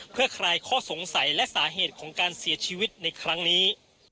เพื่อคลายข้อสงสัยและสาเหตุของการเสียชีวิตในครั้งนี้